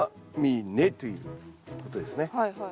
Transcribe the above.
はいはい。